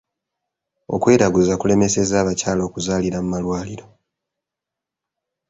Okweraguza kulemesezza abakyala okuzaalira mu malwaliro.